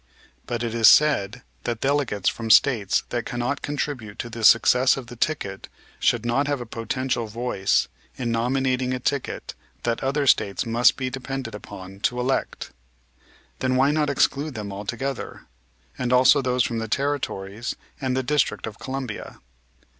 But it is said that delegates from States that cannot contribute to the success of the ticket should not have a potential voice in nominating a ticket that other States must be depended upon to elect. Then why not exclude them altogether, and also those from the territories and the District of Columbia?